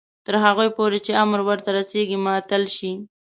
تر هغو پورې چې امر ورته رسیږي معطل شي.